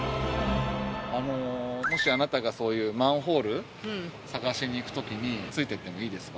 もしあなたがそういうマンホール探しに行くときについてってもいいですか？